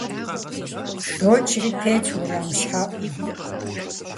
ДокӀри тетщ уэрам щхьэӀум.